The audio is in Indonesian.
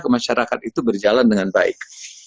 ke masyarakat itu berjalan dengan baik